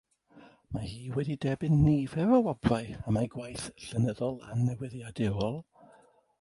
Mae hi wedi derbyn nifer o wobrau am ei gwaith llenyddol a newyddiadurol.